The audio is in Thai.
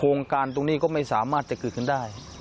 โครงการตรงนี้ก็ไม่สามารถจะเกิดขึ้นได้